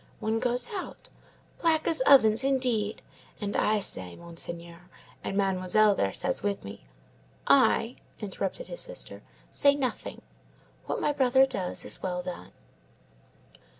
One goes out. Black as ovens, indeed! And I say, Monseigneur, and Mademoiselle there says with me—" "I," interrupted his sister, "say nothing. What my brother does is well done."